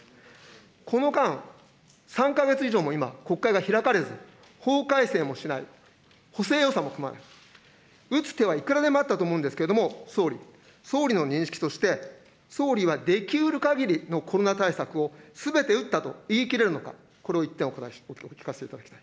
この間、３か月以上も今、国会が開かれず、法改正もしない、補正予算も組まない、打つ手はいくらでもあったと思うんですけれども、総理、総理の認識として総理はできうるかぎりのコロナ対策をすべて打ったと言い切れるのか、これを一点、お聞かせいただきたい。